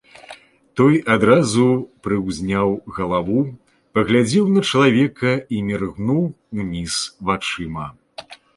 Той адразу прыўзняў галаву, паглядзеў на чалавека і міргнуў уніз вачыма.